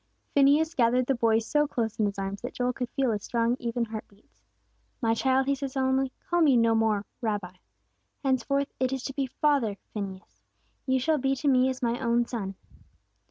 Phineas gathered the boy so close in his arms that Joel could feel his strong, even heart beats. "My child," he said solemnly, "call me no more, Rabbi! Henceforth, it is to be father Phineas. You shall be to me as my own son!"